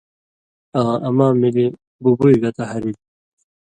آں اما ملیۡ بُبوئ گتہ ہرِلیۡ